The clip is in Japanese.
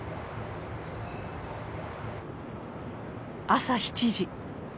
朝７時。